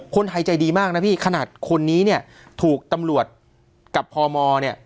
คนไทยใจดีมากนะพี่ขนาดคนนี้เนี่ยถูกตำรวจกับพมเนี่ย